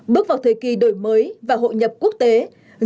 bước vào thời kỳ đổi mới và hội nhập quốc tế